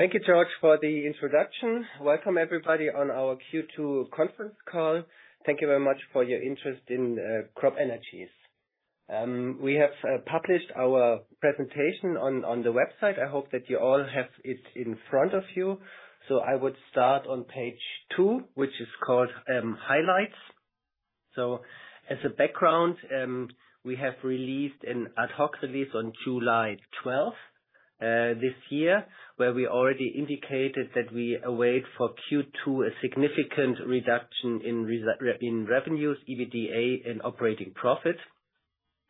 Thank you, George, for the introduction. Welcome, everybody, on our Q2 conference call. Thank you very much for your interest in CropEnergies. We have published our presentation on the website. I hope that you all have it in front of you. I would start on page two, which is called Highlights. As a background, we have released an ad hoc release on July 12, 2023, where we already indicated that we await for Q2 a significant reduction in revenues, EBITDA, and operating profit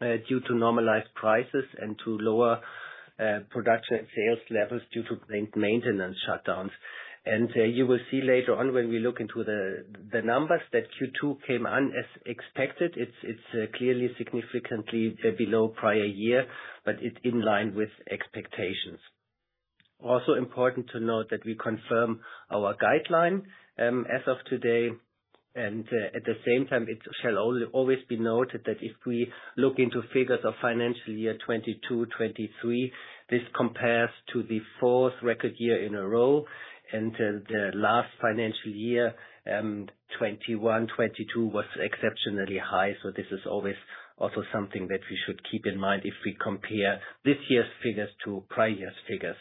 due to normalized prices and to lower production and sales levels due to maintenance shutdowns. You will see later on when we look into the numbers that Q2 came on as expected. It's clearly significantly below prior year, but it's in line with expectations. Also important to note that we confirm our guideline, as of today, and, at the same time, it shall always be noted that if we look into figures of financial year 2022/23, this compares to the fourth record year in a row, and, the last financial year, 2021/22, was exceptionally high. So this is always also something that we should keep in mind if we compare this year's figures to prior years' figures.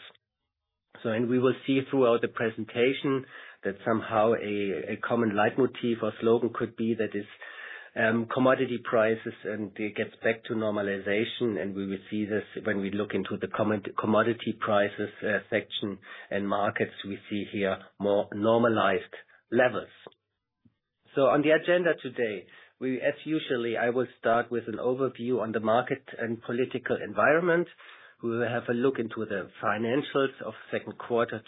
So and we will see throughout the presentation that somehow a common leitmotif or slogan could be that is, commodity prices, and it gets back to normalization, and we will see this when we look into the commodity prices section and markets, we see here more normalized levels. So on the agenda today, we, as usual, I will start with an overview on the market and political environment. We will have a look into the financials of second quarter,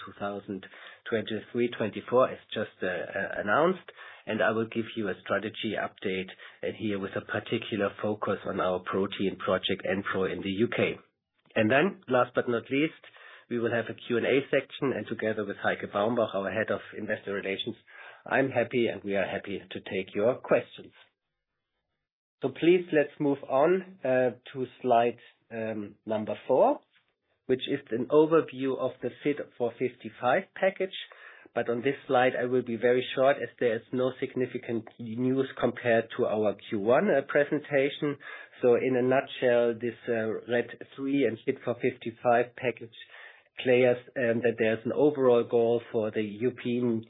2023/24, as just announced, and I will give you a strategy update, and here with a particular focus on our protein project, EnPro, in the U.K.. And then last but not least, we will have a Q&A section, and together with Heike Baumbach, our Head of Investor Relations, I'm happy and we are happy to take your questions. So please, let's move on to slide number four, which is an overview of the Fit for 55 package. But on this slide I will be very short, as there is no significant news compared to our Q1 presentation. So in a nutshell, this RED III and Fit for 55 package clears that there's an overall goal for the European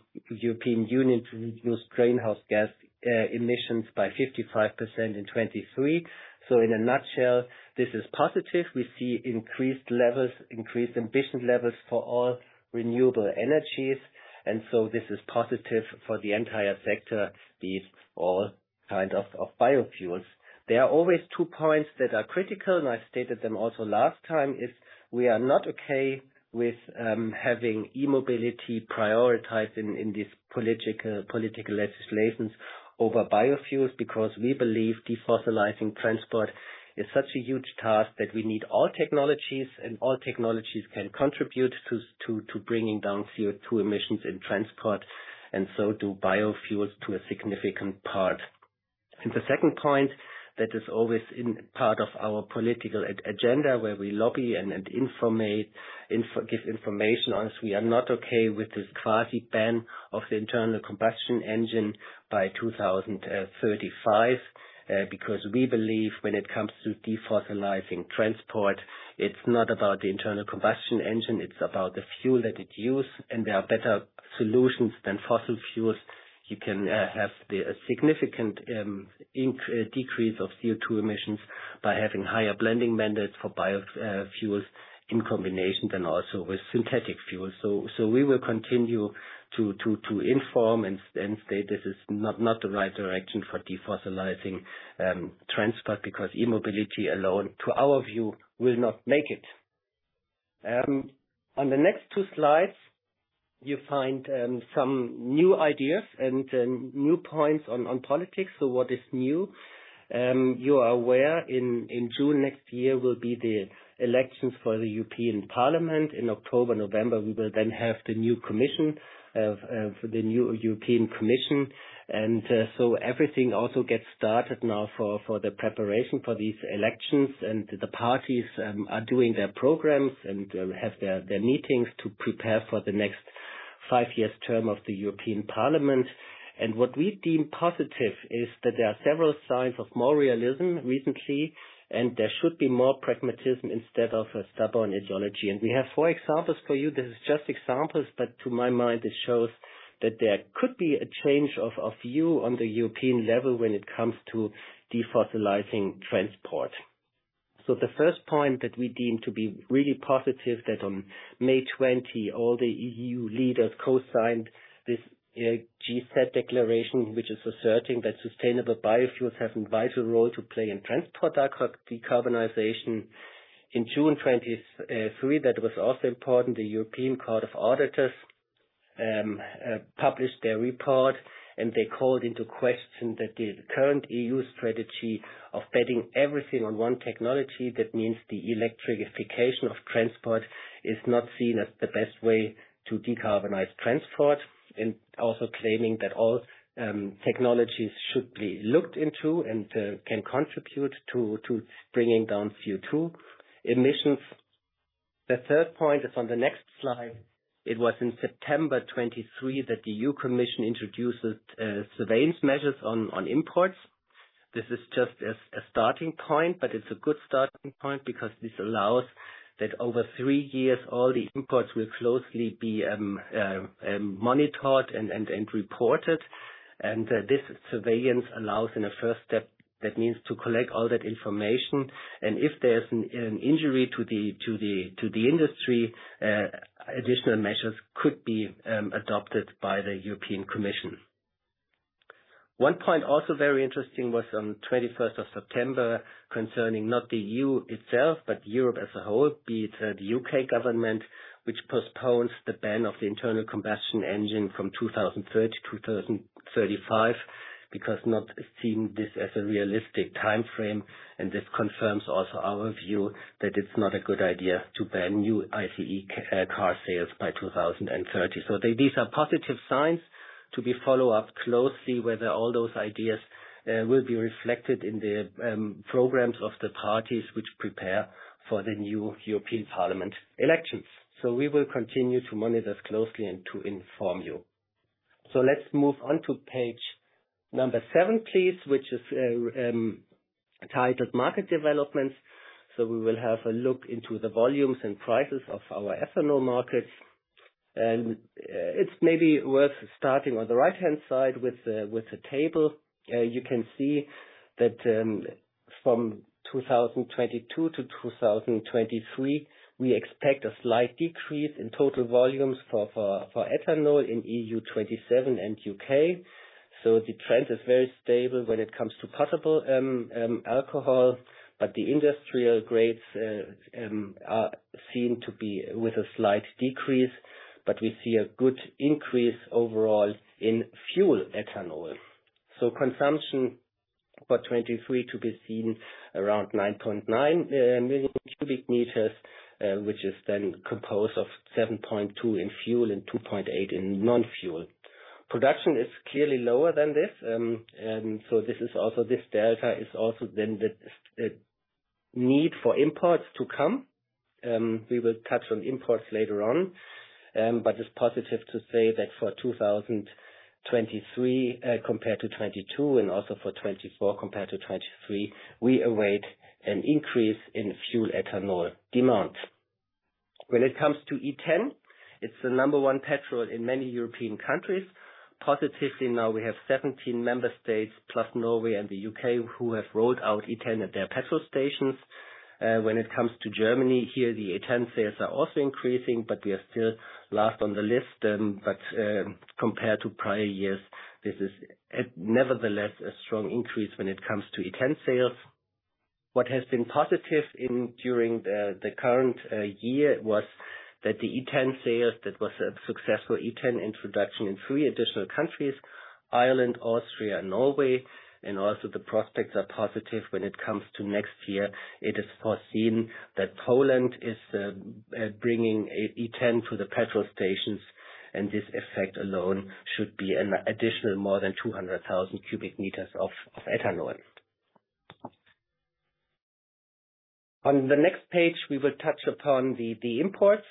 Union to reduce greenhouse gas emissions by 55% in 2023. So in a nutshell, this is positive. We see increased levels, increased ambition levels for all renewable energies, and so this is positive for the entire sector, these all kind of biofuels. There are always two points that are critical, and I stated them also last time, is we are not okay with having e-mobility prioritized in these political legislations over biofuels, because we believe defossilizing transport is such a huge task that we need all technologies, and all technologies can contribute to bringing down CO2 emissions in transport, and so do biofuels to a significant part. The second point, that is always in part of our political agenda, where we lobby and give information on, is we are not okay with this quasi ban of the internal combustion engine by 2035. Because we believe when it comes to defossilizing transport, it's not about the internal combustion engine, it's about the fuel that it uses, and there are better solutions than fossil fuels. You can have the significant decrease of CO2 emissions by having higher blending mandates for bio fuels in combination than also with synthetic fuels. We will continue to inform and state this is not the right direction for defossilizing transport, because e-mobility alone, to our view, will not make it. On the next two slides, you find some new ideas and new points on, on politics. So what is new? You are aware in, in June next year will be the elections for the European Parliament. In October, November, we will then have the new commission, the new European Commission. And, so everything also gets started now for, for the preparation for these elections. And the parties are doing their programs and, have their, their meetings to prepare for the next five years term of the European Parliament. And what we deem positive is that there are several signs of more realism recently, and there should be more pragmatism instead of a stubborn ideology. And we have four examples for you. This is just examples, but to my mind, this shows that there could be a change of view on the European level when it comes to defossilizing transport. The first point that we deem to be really positive, that on May 20, all the EU leaders co-signed this GSET Declaration, which is asserting that sustainable biofuels have a vital role to play in transport, our decarb- decarbonization. In June 2023, that was also important. The European Court of Auditors published their report, and they called into question that the current EU strategy of betting everything on one technology, that means the electrification of transport, is not seen as the best way to decarbonize transport. Also claiming that all technologies should be looked into and can contribute to bringing down CO2 emissions. The third point is on the next slide. It was in September 2023 that the EU Commission introduced surveillance measures on imports. This is just as a starting point, but it's a good starting point, because this allows that over three years, all the imports will closely be monitored and reported. And this surveillance allows in a first step, that means to collect all that information, and if there's an injury to the industry, additional measures could be adopted by the European Commission. One point also very interesting was on twenty-first of September, concerning not the EU itself, but Europe as a whole, be it, the U.K. government, which postpones the ban of the internal combustion engine from 2030 to 2035, because not seeing this as a realistic time frame, and this confirms also our view that it's not a good idea to ban new ICE, car sales by 2030. These are positive signs to be followed up closely, whether all those ideas, will be reflected in the, programs of the parties which prepare for the new European Parliament elections. We will continue to monitor this closely and to inform you. Let's move on to page number seven, please, which is, titled Market Developments. We will have a look into the volumes and prices of our ethanol markets. It's maybe worth starting on the right-hand side with the table. You can see that from 2022-2023, we expect a slight decrease in total volumes for ethanol in EU-27 and U.K. The trend is very stable when it comes to potable alcohol, but the industrial grades are seen to be with a slight decrease. We see a good increase overall in fuel ethanol. Consumption for 2023 to be seen around 9.9 million cubic meters, which is then composed of 7.2 in fuel and 2.8 in non-fuel. Production is clearly lower than this, and so this is also, this data is also then the, the need for imports to come. We will touch on imports later on. But it's positive to say that for 2023, compared to 2022, and also for 2024 compared to 2023, we await an increase in fuel ethanol demand. When it comes to E10, it's the number one petrol in many European countries. Positively, now we have 17 member states, plus Norway and the U.K., who have rolled out E10 at their petrol stations. When it comes to Germany, here, the E10 sales are also increasing, but we are still last on the list, but, compared to prior years, this is nevertheless a strong increase when it comes to E10 sales. What has been positive in the current year was that the E10 sales, that was a successful E10 introduction in three additional countries: Ireland, Austria, and Norway. And also the prospects are positive when it comes to next year. It is foreseen that Poland is bringing E10 to the petrol stations, and this effect alone should be an additional more than 200,000 cubic meters of ethanol. On the next page, we will touch upon the imports.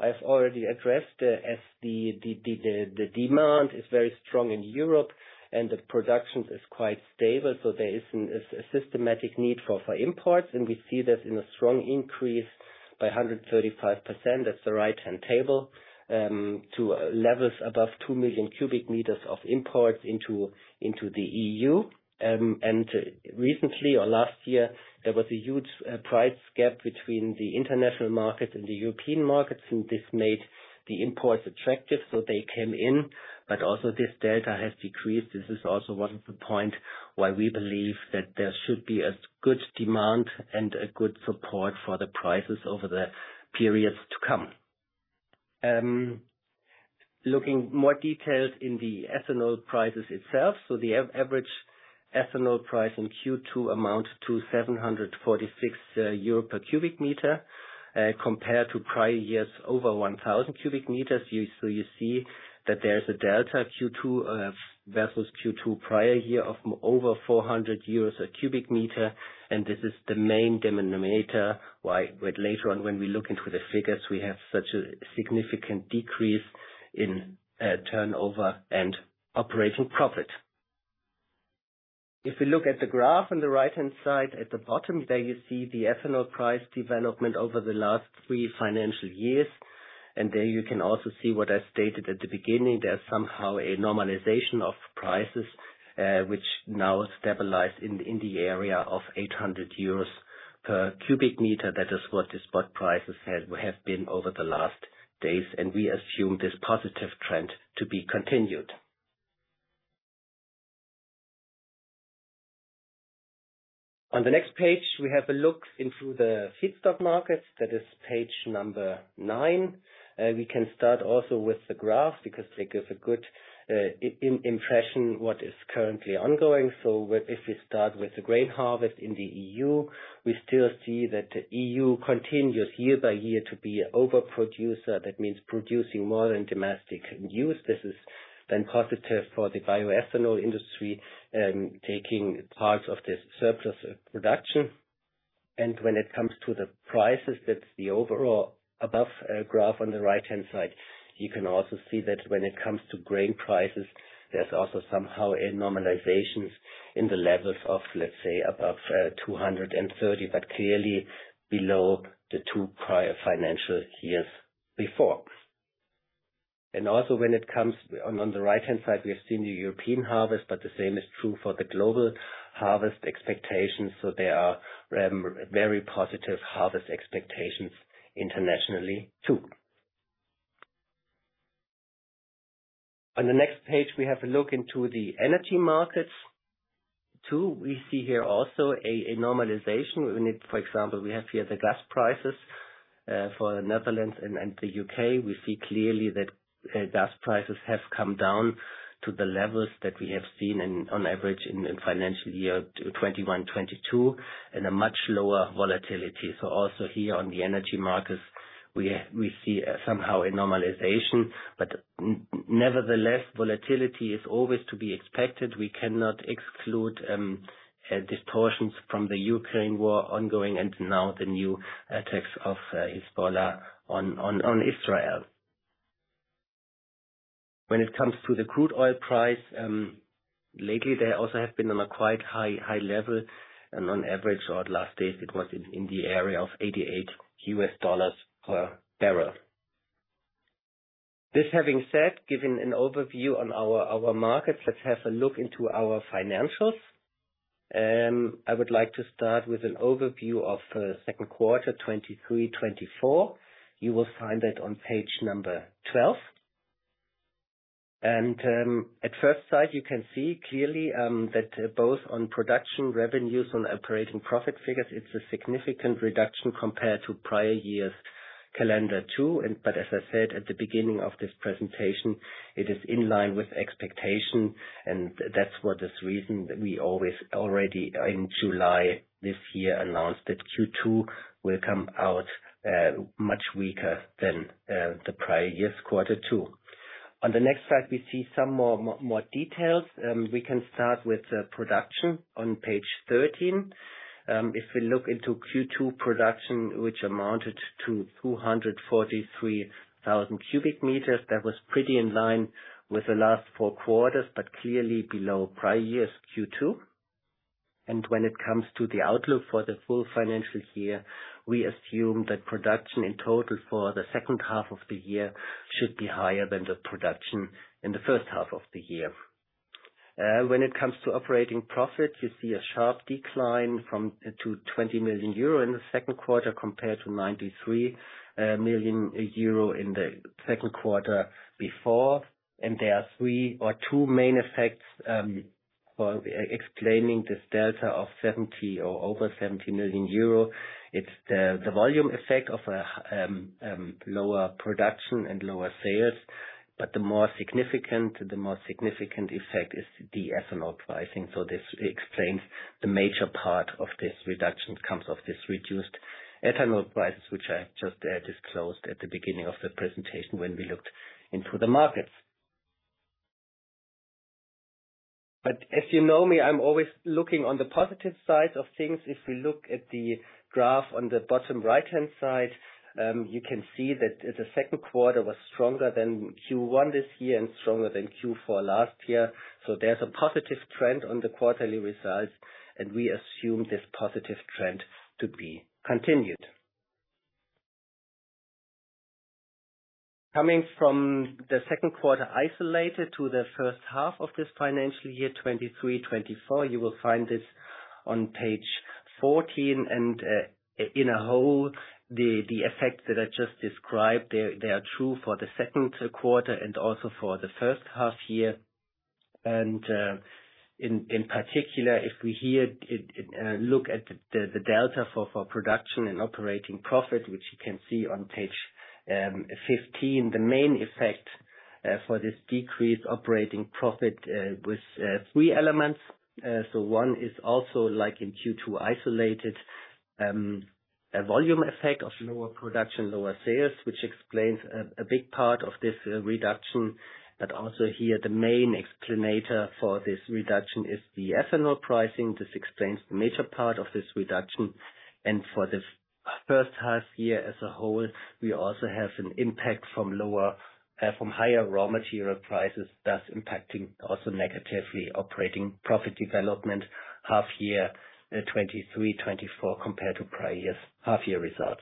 I've already addressed, as the demand is very strong in Europe and the production is quite stable, so there is a systematic need for imports, and we see this in a strong increase by 135%, that's the right-hand table, to levels above 2,000,000 cubic meters of imports into the EU. Recently, or last year, there was a huge price gap between the international market and the European markets, and this made the imports attractive, so they came in, but also this data has decreased. This is also one of the point why we believe that there should be a good demand and a good support for the prices over the periods to come. Looking more detailed in the ethanol prices itself. So the average ethanol price in Q2 amount to 746 euro per cubic meter, compared to prior years, over 1,000 cubic meters. So you see that there's a delta Q2 versus Q2 prior year of over 400 euros per cubic meter, and this is the main denominator, why, where later on, when we look into the figures, we have such a significant decrease in turnover and operating profit. If we look at the graph on the right-hand side, at the bottom there, you see the ethanol price development over the last three financial years. There you can also see what I stated at the beginning, there's somehow a normalization of prices, which now stabilize in the area of 800 euros per cubic meter. That is what the spot prices has, have been over the last days, and we assume this positive trend to be continued. On the next page, we have a look into the feedstock markets. That is page number nine. We can start also with the graph, because it gives a good impression what is currently ongoing. So if we start with the grain harvest in the EU, we still see that the EU continues year by year to be overproducer. That means producing more than domestic use. This is then positive for the bioethanol industry, taking part of this surplus production. And when it comes to the prices, that's the overall above graph on the right-hand side. You can also see that when it comes to grain prices, there's also somehow a normalizations in the levels of, let's say, above 230, but clearly below the two prior financial years before. And also when it comes on the right-hand side, we have seen the European harvest, but the same is true for the global harvest expectations. There are very positive harvest expectations internationally, too. On the next page, we have a look into the energy markets, too. We see here also a normalization. We need, for example, we have here the gas prices for Netherlands and the U.K.. We see clearly that gas prices have come down to the levels that we have seen in, on average in financial year 2021-2022, and a much lower volatility. So also here on the energy markets, we see somehow a normalization, but nevertheless, volatility is always to be expected. We cannot exclude distortions from the Ukraine war ongoing and now the new attacks of Hezbollah on Israel. When it comes to the crude oil price, lately, they also have been on a quite high, high level, and on average, or last days, it was in the area of $88 per barrel. This having said, given an overview on our markets, let's have a look into our financials. I would like to start with an overview of second quarter 2023-2024. You will find that on page 12. At first sight, you can see clearly that both on production revenues and operating profit figures, it's a significant reduction compared to prior years' calendar two. But as I said at the beginning of this presentation, it is in line with expectation, and that's for this reason that we always, already in July this year announced that Q2 will come out much weaker than the prior year's quarter two. On the next slide, we see some more more details. We can start with the production on page 13. If we look into Q2 production, which amounted to 243,000 cubic meters, that was pretty in line with the last four quarters, but clearly below prior years' Q2. And when it comes to the outlook for the full financial year, we assume that production in total for the second half of the year should be higher than the production in the first half of the year. When it comes to operating profit, you see a sharp decline to 20 million euro in the second quarter, compared to 93 million euro in the second quarter before. There are two main effects for explaining this delta of 70 or over 70 million euro. It's the volume effect of lower production and lower sales, but the more significant effect is the ethanol pricing. This explains the major part of this reduction, this reduced ethanol prices, which I just disclosed at the beginning of the presentation when we looked into the markets. As you know me, I'm always looking on the positive side of things. If we look at the graph on the bottom right-hand side, you can see that the second quarter was stronger than Q1 this year and stronger than Q4 last year. There's a positive trend on the quarterly results, and we assume this positive trend to be continued. Coming from the second quarter isolated to the first half of this financial year, 2023-2024, you will find this on page 14, and, in a whole, the effects that I just described, they are true for the second quarter and also for the first half year. In particular, if we here look at the delta for production and operating profit, which you can see on page 15, the main effect for this decreased operating profit, with three elements. So one is also like in Q2, isolated, a volume effect of lower production, lower sales, which explains a big part of this reduction. But also here, the main explanation for this reduction is the ethanol pricing. This explains the major part of this reduction, and for the first half year as a whole, we also have an impact from higher raw material prices, thus impacting also negatively operating profit development half year 2023, 2024, compared to prior years' half-year results.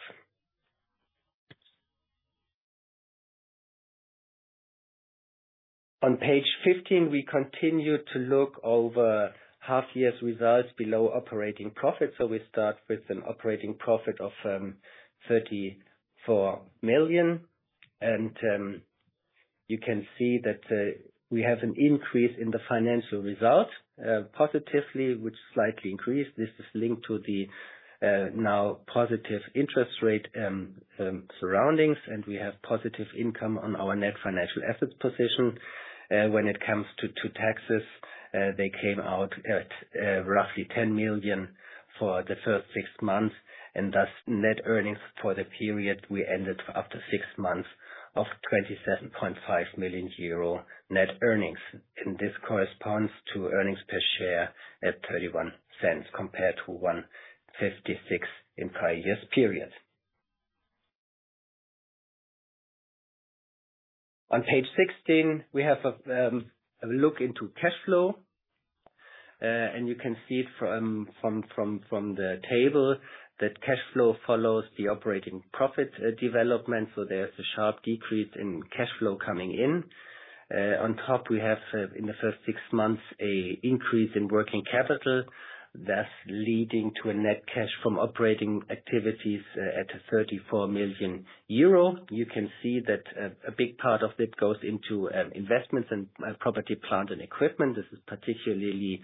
On page 15, we continue to look over half year's results below operating profit. So we start with an operating profit of 34 million, and you can see that we have an increase in the financial result positively, which slightly increased. This is linked to the... now positive interest rate surroundings, and we have positive income on our net financial assets position. When it comes to taxes, they came out at roughly 10 million for the first six months, and thus net earnings for the period we ended after six months of 27.5 million euro net earnings. This corresponds to earnings per share at 0.31, compared to 1.56 in prior year's period. On page sixteen, we have a look into cash flow. You can see from the table that cash flow follows the operating profit development, so there's a sharp decrease in cash flow coming in. On top, we have, in the first six months, an increase in working capital, thus leading to a net cash from operating activities at 34 million euro. You can see that a big part of it goes into investments and property, plant and equipment. This is particularly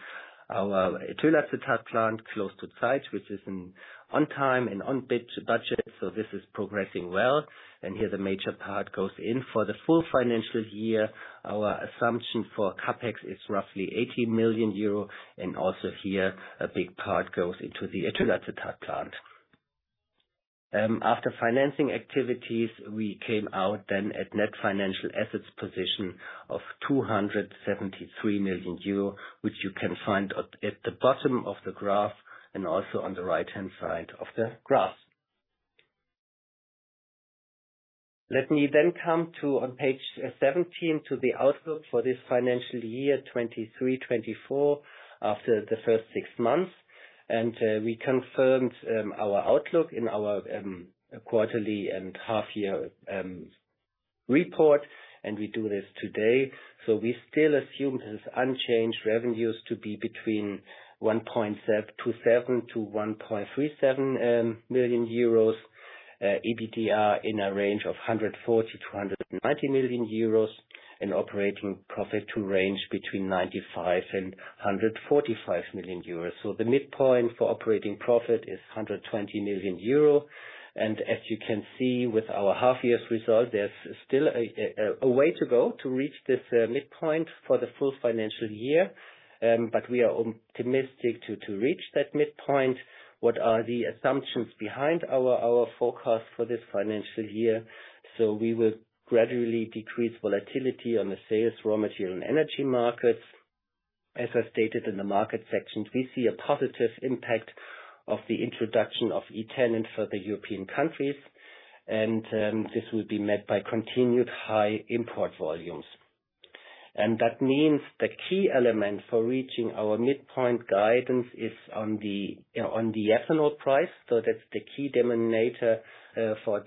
our ethyl acetate plant, close to Zeitz, which is on time and on budget. So this is progressing well, and here, the major part goes in. For the full financial year, our assumption for CapEx is roughly 80 million euro, and also here, a big part goes into the ethyl acetate plant. After financing activities, we came out then at net financial assets position of 273 million euro, which you can find at the bottom of the graph, and also on the right-hand side of the graph. Let me then come to on page 17 to the outlook for this financial year, 2023-2024, after the first six months. We confirmed our outlook in our quarterly and half year report, and we do this today. So we still assume this unchanged revenues to be between 1.27 million-1.37 million euros. EBITDA in a range of 140 million-190 million euros, and operating profit to range between 95 million-145 million euros. So the midpoint for operating profit is 120 million euro. And as you can see with our half year's result, there's still a way to go to reach this midpoint for the full financial year. But we are optimistic to reach that midpoint. What are the assumptions behind our forecast for this financial year? So we will gradually decrease volatility on the sales, raw material, and energy markets. As I stated in the market section, we see a positive impact of the introduction of E10 in further European countries, and this will be met by continued high import volumes. And that means the key element for reaching our midpoint guidance is on the ethanol price. So that's the key denominator for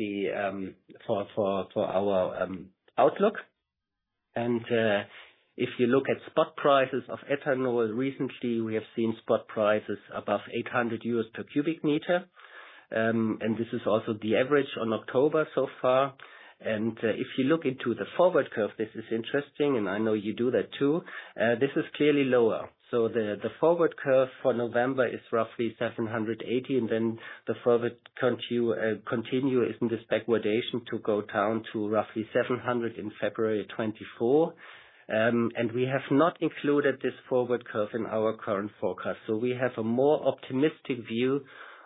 our outlook. And if you look at spot prices of ethanol, recently, we have seen spot prices above 800 euros per cubic meter. And this is also the average on October so far. And if you look into the forward curve, this is interesting, and I know you do that, too. This is clearly lower. So the forward curve for November is roughly 780, and then the forward continue in this backwardation to go down to roughly 700 in February of 2024. And we have not included this forward curve in our current forecast. So we have a more optimistic view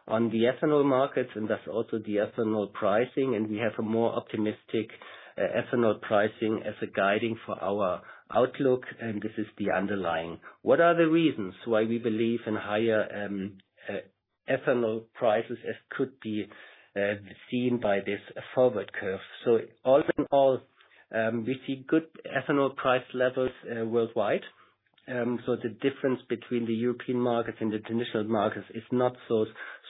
on the ethanol markets, and that's also the ethanol pricing, and we have a more optimistic ethanol pricing as a guiding for our outlook, and this is the underlying. What are the reasons why we believe in higher ethanol prices as could be seen by this forward curve? So all in all, we see good ethanol price levels worldwide. So the difference between the European markets and the traditional markets is not so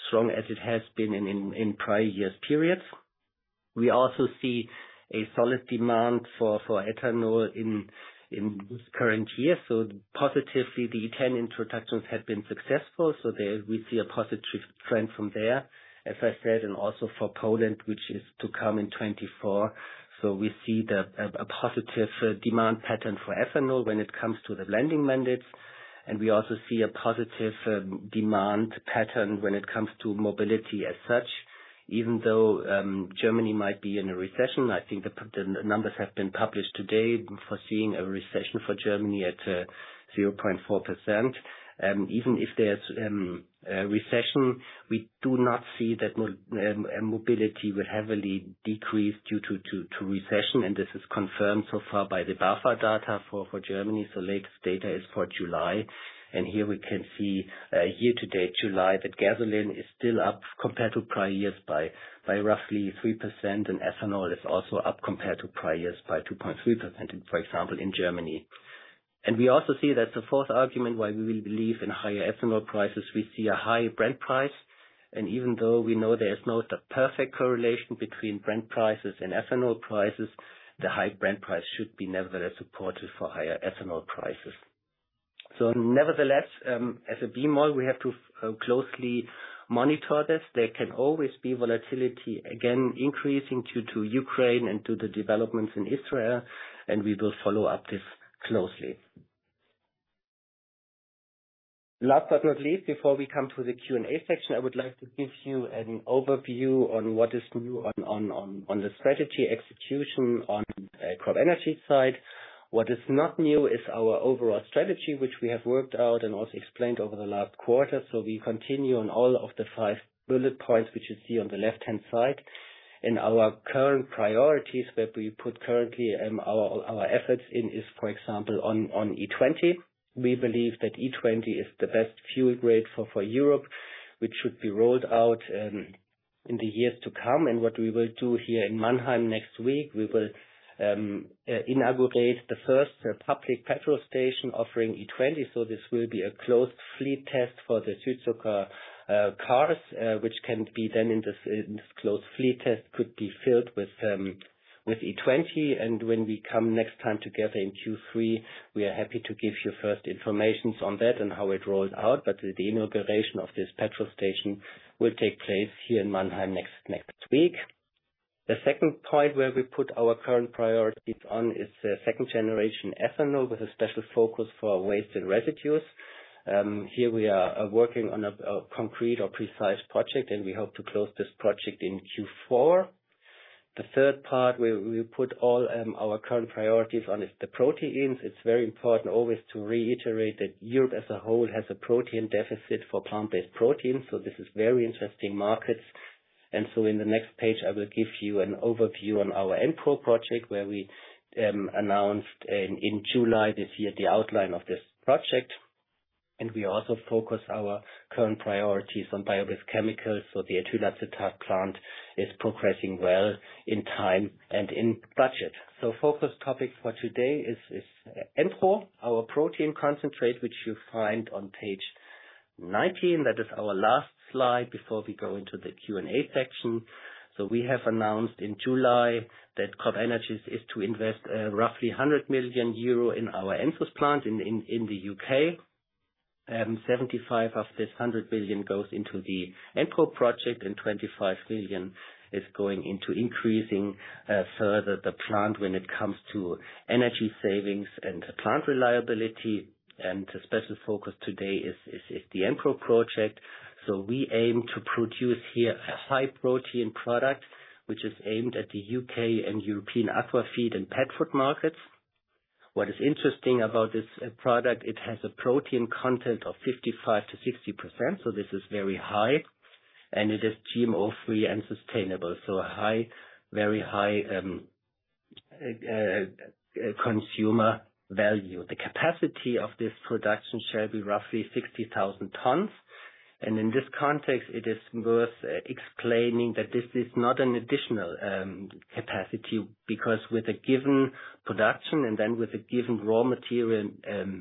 strong as it has been in prior years periods. We also see a solid demand for ethanol in this current year, so positively, the E10 introductions have been successful, so there we see a positive trend from there, as I said, and also for Poland, which is to come in 2024. So we see a positive demand pattern for ethanol when it comes to the blending mandates, and we also see a positive demand pattern when it comes to mobility as such. Even though Germany might be in a recession, I think the numbers have been published today foreseeing a recession for Germany at 0.4%. Even if there's a recession, we do not see that mobility will heavily decrease due to recession, and this is confirmed so far by the BAFA data for Germany. So latest data is for July, and here we can see, year-to-date, July, that gasoline is still up, compared to prior years, by, by roughly 3%, and ethanol is also up compared to prior years by 2.3%, for example, in Germany. And we also see that the fourth argument why we will believe in higher ethanol prices, we see a high Brent price. And even though we know there is not a perfect correlation between Brent prices and ethanol prices, the high Brent price should be nevertheless supportive for higher ethanol prices. So nevertheless, as a B model, we have to, closely monitor this. There can always be volatility, again, increasing due to Ukraine and to the developments in Israel, and we will follow up this closely. Last but not least, before we come to the Q&A section, I would like to give you an overview on what is new on the strategy execution on CropEnergies side. What is not new is our overall strategy, which we have worked out and also explained over the last quarter. So we continue on all of the five bullet points, which you see on the left-hand side. And our current priorities, where we put currently our efforts in is, for example, on E20. We believe that E20 is the best fuel grade for Europe, which should be rolled out in the years to come. What we will do here in Mannheim next week, we will inaugurate the first public gas station offering E20. So this will be a closed fleet test for the Suzuki cars, which can be then in this, in this closed fleet test, could be filled with with E20. And when we come next time together in Q3, we are happy to give you first informations on that and how it rolls out. But the inauguration of this gas station will take place here in Mannheim next, next week. The second point where we put our current priorities on is the second generation ethanol, with a special focus for waste and residues. Here we are working on a, a concrete or precise project, and we hope to close this project in Q4. The third part, where we put all our current priorities on, is the proteins. It's very important always to reiterate that Europe as a whole has a protein deficit for plant-based proteins, so this is very interesting markets. In the next page, I will give you an overview on our EnPro project, where we announced in July this year the outline of this project. We also focus our current priorities on biochemicals, so the ethyl acetate plant is progressing well in time and in budget. Focus topic for today is EnPro, our protein concentrate, which you find on page 19. That is our last slide before we go into the Q&A section. We have announced in July that CropEnergies is to invest roughly 100 million euro in our Ensus plant in the U.K. 75 of this 100 million goes into the EnPro project, and 25 million is going into increasing further the plant when it comes to energy savings and plant reliability. The special focus today is the EnPro project. We aim to produce here a high protein product, which is aimed at the U.K. and European aquafeed and pet food markets. What is interesting about this product, it has a protein content of 55%-60%, so this is very high, and it is GMO-free and sustainable, so a high, very high consumer value. The capacity of this production shall be roughly 60,000 tons. In this context, it is worth explaining that this is not an additional capacity, because with a given production and then with a given raw material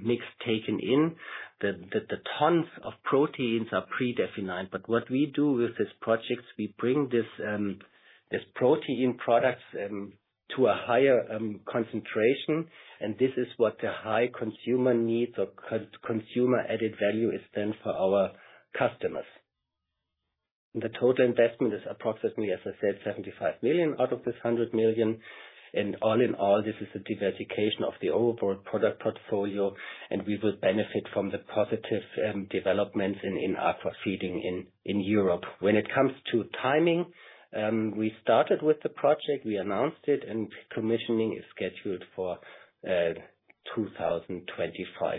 mix taken in, the tons of proteins are pre-defined. But what we do with this project, we bring this protein products to a higher concentration, and this is what the high consumer needs or consumer added value is then for our customers. The total investment is approximately, as I said, 75 million out of this 100 million. All in all, this is a diversification of the overall product portfolio, and we will benefit from the positive developments in aquafeed in Europe. When it comes to timing, we started with the project, we announced it, and commissioning is scheduled for 2025.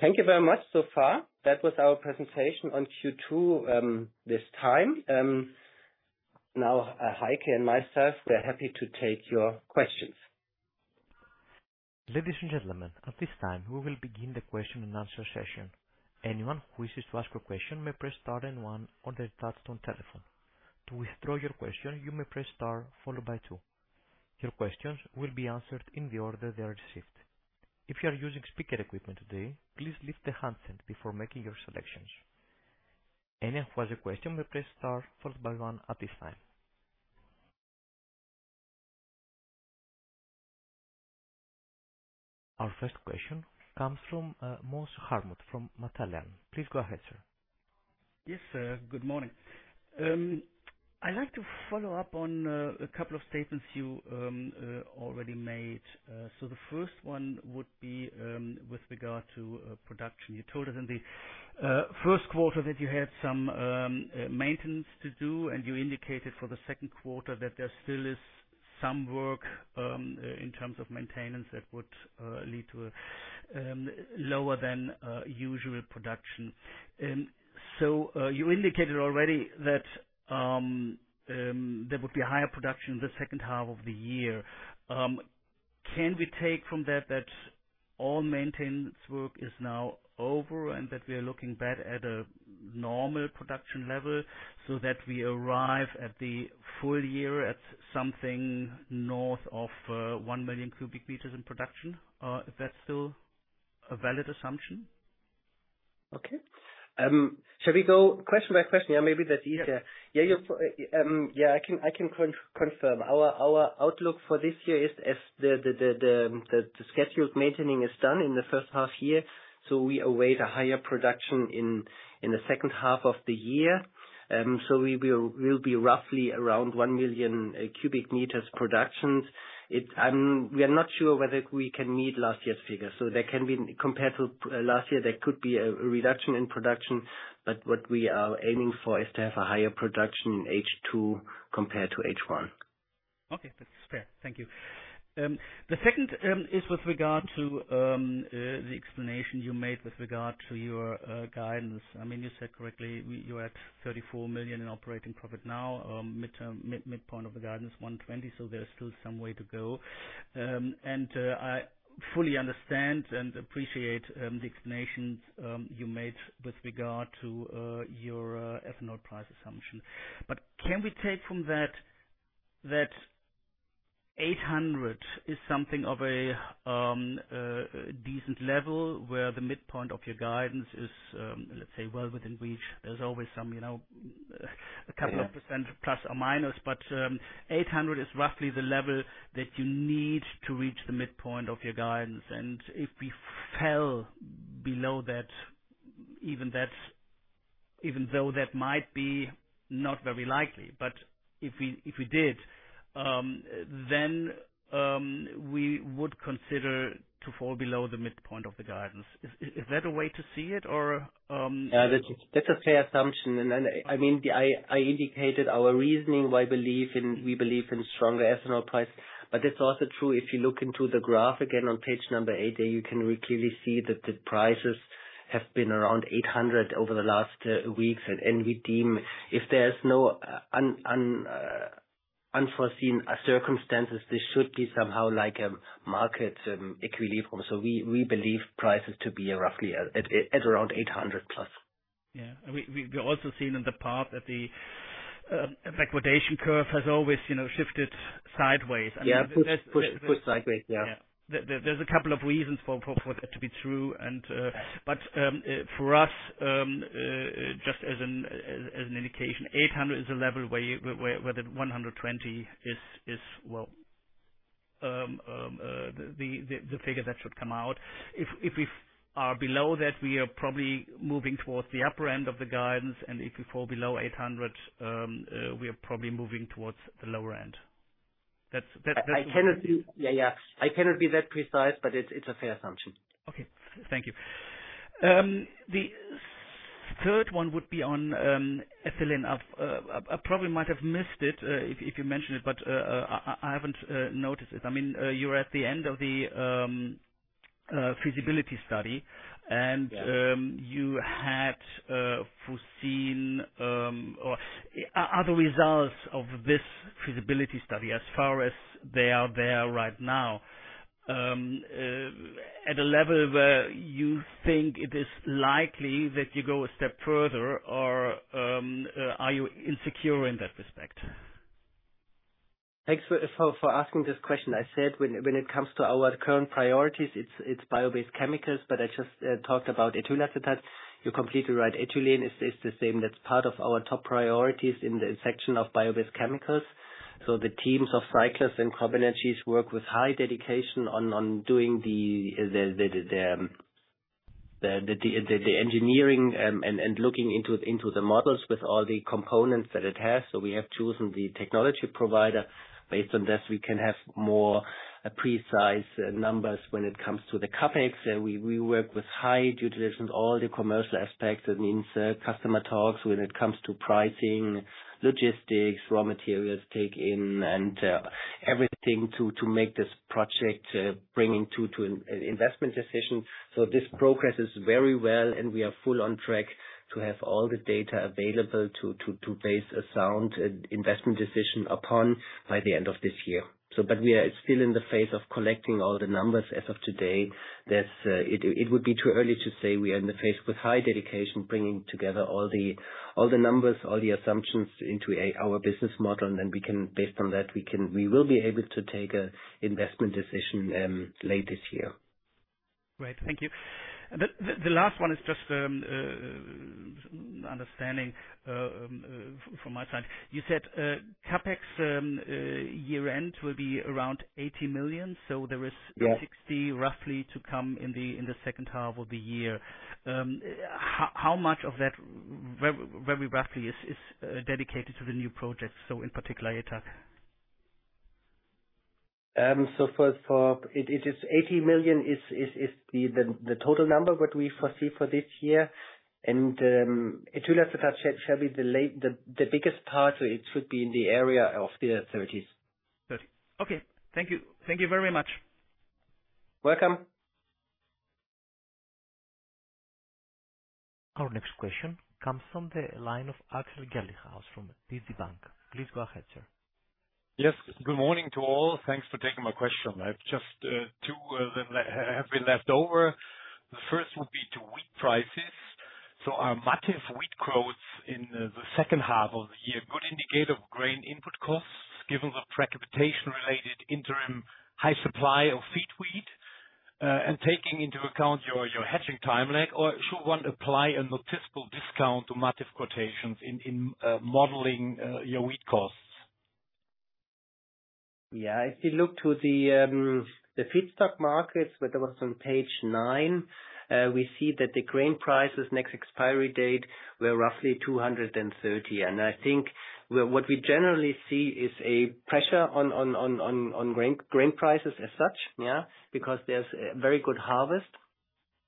Thank you very much so far. That was our presentation on Q2 this time. Now, Heike and myself, we are happy to take your questions. Ladies and gentlemen, at this time, we will begin the question-and-answer session. Anyone who wishes to ask a question may press star and one on their touch-tone telephone. To withdraw your question, you may press star followed by two. Your questions will be answered in the order they are received. If you are using speaker equipment today, please lift the handset before making your selections. Anyone who has a question may press star followed by one at this time. Our first question comes from Moers Hartmut from Matelan. Please go ahead, sir. Yes, good morning. I'd like to follow up on a couple of statements you already made. So the first one would be with regard to production. You told us in the first quarter that you had some maintenance to do, and you indicated for the second quarter that there still is some work in terms of maintenance that would lead to a lower than usual production. So you indicated already that there would be higher production in the second half of the year. Can we take from that that all maintenance work is now over and that we are looking back at a normal production level, so that we arrive at the full year at something north of 1 million cubic meters in production? Is that still a valid assumption? Okay. Shall we go question by question? Yeah, maybe that's easier. Yeah. Yeah, I can confirm. Our outlook for this year is as the scheduled maintaining is done in the first half year, so we await a higher production in the second half of the year. So we will be roughly around 1 million cubic meters production. We are not sure whether we can meet last year's figures, so there can be, compared to last year, there could be a reduction in production, but what we are aiming for is to have a higher production in H2 compared to H1. Okay, that's fair. Thank you. The second is with regard to the explanation you made with regard to your guidance. I mean, you said correctly, you're at 34 million in operating profit now, midterm midpoint of the guidance, 120 million, so there is still some way to go. And, I fully understand and appreciate the explanations you made with regard to your ethanol price assumption. But can we take from that, that 800 is something of a decent level, where the midpoint of your guidance is, let's say, well, within reach, there's always some, you know, a couple of percent plus or minus, but 800 is roughly the level that you need to reach the midpoint of your guidance. If we fell below that, even though that might be not very likely, but if we did, then we would consider to fall below the midpoint of the guidance. Is that a way to see it or- Yeah, that's a fair assumption. And then, I mean, I indicated our reasoning why we believe in stronger ethanol price. But it's also true, if you look into the graph again on page eight, you can clearly see that the prices have been around 800 over the last weeks. And we deem, if there's no unforeseen circumstances, this should be somehow like a market equilibrium. So we believe prices to be roughly around 800+. Yeah. We also seen in the past that the liquidation curve has always, you know, shifted sideways. Yeah, push, push, push sideways. Yeah. Yeah. There are a couple of reasons for that to be true. For us, just as an indication, 800 is a level where the 120 is, well, the figure that should come out. If we are below that, we are probably moving towards the upper end of the guidance, and if we fall below 800, we are probably moving towards the lower end. That's, that's— Yeah, yeah. I cannot be that precise, but it's a fair assumption. Okay. Thank you. The third one would be on ethylene. I've probably might have missed it, if you mentioned it, but I haven't noticed it. I mean, you're at the end of the feasibility study, and- Yeah. You had foreseen, or are the results of this feasibility study as far as they are there right now at a level where you think it is likely that you go a step further, or are you insecure in that respect? Thanks for asking this question. I said, when it comes to our current priorities, it's bio-based chemicals, but I just talked about ethyl acetate. You're completely right. Ethylene is the same. That's part of our top priorities in the section of bio-based chemicals. So the teams of Syclus and CropEnergies work with high dedication on doing the engineering and looking into the models with all the components that it has. So we have chosen the technology provider. Based on this, we can have more precise numbers when it comes to the CapEx. We work with high utilization, all the commercial aspects. That means, customer talks when it comes to pricing, logistics, raw materials, take in, and everything to make this project bringing to an investment decision. This progresses very well, and we are full on track to have all the data available to base a sound investment decision upon by the end of this year. We are still in the phase of collecting all the numbers as of today. It would be too early to say we are in the phase with high dedication, bringing together all the numbers, all the assumptions into our business model, and then we can, based on that, we can... We will be able to take an investment decision late this year. Great, thank you. The last one is just understanding from my side. You said CapEx year end will be around 80 million, so there is- Yeah. 60 roughly to come in the second half of the year. How much of that, very, very roughly is dedicated to the new projects, so in particular, ETAC? So, first, it is 80 million, the total number what we foresee for this year. And ethyl acetate shall be the biggest part, it should be in the area of the 30s. 30. Okay. Thank you. Thank you very much. Welcome. Our next question comes from the line of Axel Herlinghaus from DZ Bank. Please go ahead, sir. Yes, good morning to all. Thanks for taking my question. I have just two that have been left over. The first would be to wheat prices. So are MATIF wheat quotes in the second half of the year a good indicator of grain input costs, given the precipitation-related interim high supply of wheat, and taking into account your hedging time lag? Or should one apply a noticeable discount to MATIF quotations in modeling your wheat costs? Yeah, if you look to the feedstock markets, where there was on page nine, we see that the grain prices next expiry date were roughly 230. I think what we generally see is a pressure on, on, on, on grain, grain prices as such, yeah, because there's a very good harvest...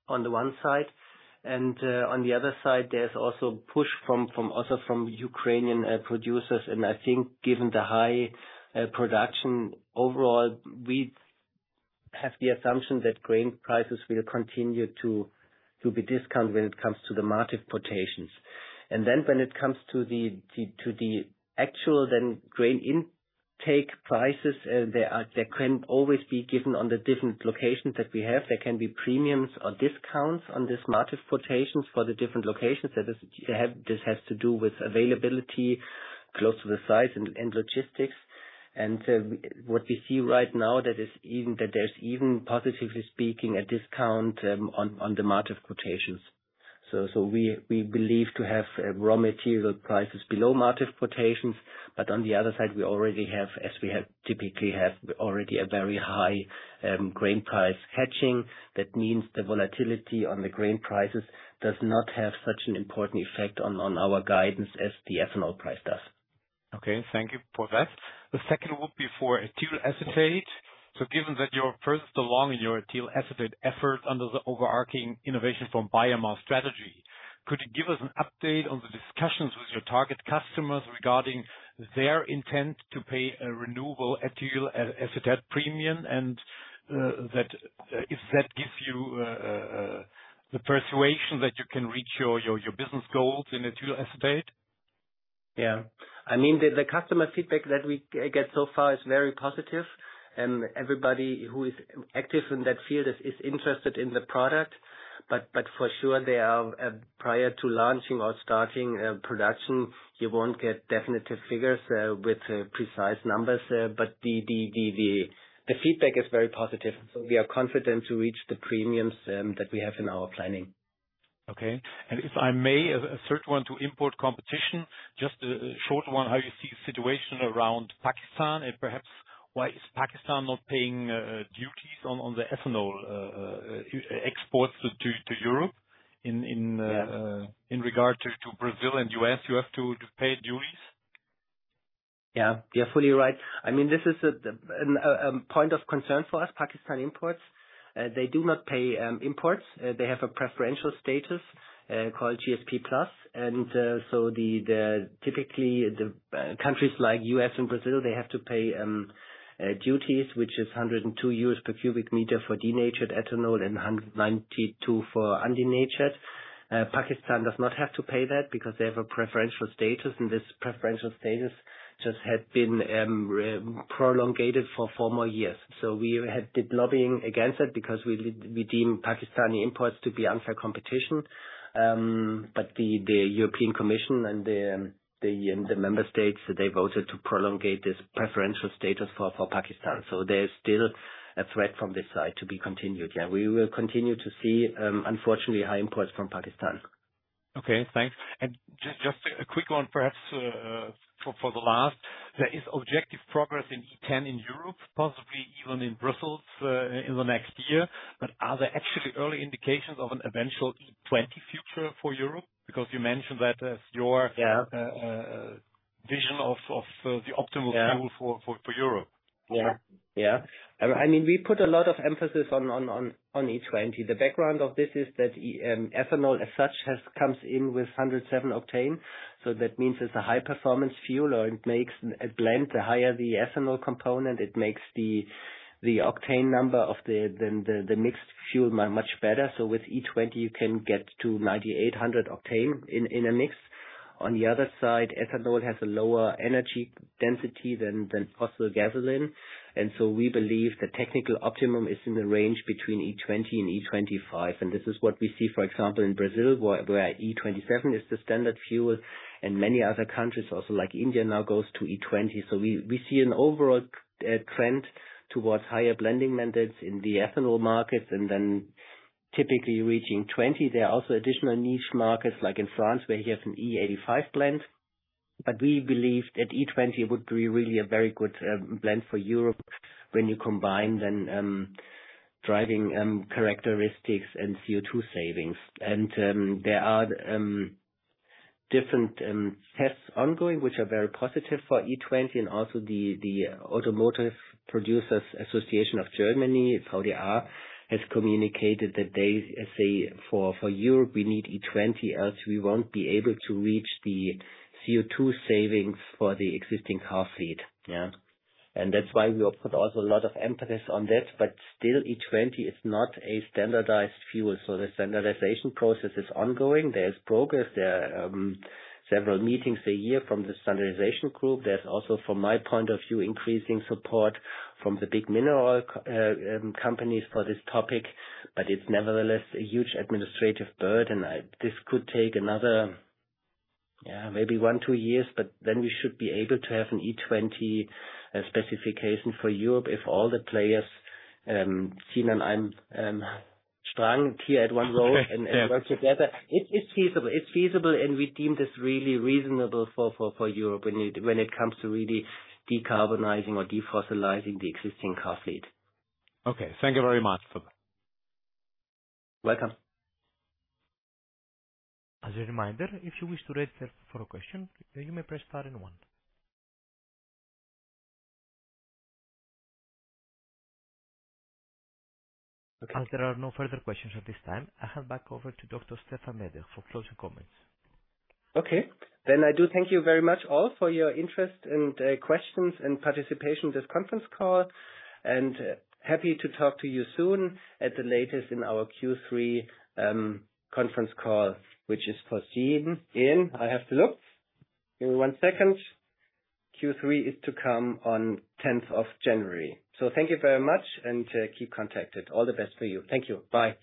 on the one side, and on the other side, there's also push from, also from Ukrainian producers. I think given the high production overall, we have the assumption that grain prices will continue to be discounted when it comes to the MATIF quotations. When it comes to the actual then grain intake prices, they are-- they can always be given on the different locations that we have. There can be premiums or discounts on these MATIF quotations for the different locations. That is, this has to do with availability close to the site and logistics. And what we see right now, positively speaking, there's even a discount on the MATIF quotations. So we believe to have raw material prices below MATIF quotations, but on the other side, we already have, as we typically have, a very high grain price hedging. That means the volatility on the grain prices does not have such an important effect on our guidance as the ethanol price does. Okay, thank you for that. The second would be for ethyl acetate. So given that you're first along in your ethyl acetate effort under the overarching innovation from biomass strategy, could you give us an update on the discussions with your target customers regarding their intent to pay a renewable ethyl acetate premium? And, that, if that gives you the persuasion that you can reach your business goals in ethyl acetate? Yeah. I mean, the customer feedback that we get so far is very positive, and everybody who is active in that field is interested in the product, but for sure, they are prior to launching or starting production, you won't get definitive figures with precise numbers, but the feedback is very positive. So we are confident to reach the premiums that we have in our planning. Okay. And if I may, a third one to import competition, just a short one, how you see the situation around Pakistan, and perhaps why is Pakistan not paying exports to Europe? Yeah. In regard to Brazil and U.S., you have to pay duties. Yeah, you're fully right. I mean, this is a point of concern for us, Pakistani imports. They do not pay imports. They have a preferential status called GSP+. And so the typically the countries like U.S. and Brazil, they have to pay duties, which is $102 per cubic meter for denatured ethanol and $192 for undenatured. Pakistani imports do not have to pay that because they have a preferential status, and this preferential status just had been re-prolonged for four more years. So we did lobbying against it because we deem Pakistani imports to be unfair competition. But the European Commission and the member states, they voted to prolong this preferential status for Pakistan. There's still a threat from this side to be continued. Yeah, we will continue to see, unfortunately, high imports from Pakistan. Okay, thanks. And just a quick one, perhaps, for the last. There is objective progress in E10 in Europe, possibly even in Brussels, in the next year. But are there actually early indications of an eventual E20 future for Europe? Because you mentioned that as your- Yeah. vision of the optimal- Yeah -fuel for Europe. Yeah. Yeah. I mean, we put a lot of emphasis on E20. The background of this is that ethanol as such comes in with 107 octane, so that means it's a high performance fuel or it makes a blend. The higher the ethanol component, it makes the octane number of the mixed fuel much better. So with E20, you can get to 98, 100 octane in a mix. On the other side, ethanol has a lower energy density than fossil gasoline, and so we believe the technical optimum is in the range between E20 and E25, and this is what we see, for example, in Brazil, where E27 is the standard fuel, and many other countries also, like India now goes to E20. So we see an overall trend towards higher blending mandates in the ethanol markets and then typically reaching 20. There are also additional niche markets, like in France, where you have an E85 blend. But we believe that E20 would be really a very good blend for Europe when you combine then driving characteristics and CO2 savings. And there are different tests ongoing, which are very positive for E20 and also the Automotive Producers Association of Germany, VDA, has communicated that they say, for Europe, we need E20, else we won't be able to reach the CO2 savings for the existing car fleet. Yeah. And that's why we put also a lot of emphasis on that, but still, E20 is not a standardized fuel. So the standardization process is ongoing. There's progress. There are several meetings a year from the standardization group. There's also, from my point of view, increasing support from the big mineral companies for this topic, but it's nevertheless a huge administrative burden. This could take another maybe 1-2 years, but then we should be able to have an E20 specification for Europe if all the players seen and I'm strong here at one role and work together. It's feasible, and we deem this really reasonable for Europe when it comes to really decarbonizing or defossilizing the existing car fleet. Okay. Thank you very much for that. Welcome. As a reminder, if you wish to raise a question, then you may press star and one. As there are no further questions at this time, I hand back over to Dr. Stephan Meeder for closing comments. Okay. Then I do thank you very much all for your interest and, questions and participation in this conference call, and happy to talk to you soon, at the latest in our Q3 conference call, which is foreseen in... I have to look. Give me one second. Q3 is to come on 10th of January. So thank you very much, and, keep contacted. All the best for you. Thank you. Bye.